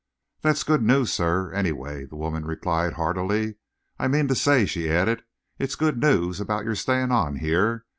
"That's good news, sir, anyway," the woman replied heartily. "I mean to say," she added, "it's good news about your staying on here.